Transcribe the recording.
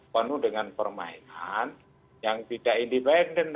penuh dengan permainan yang tidak independen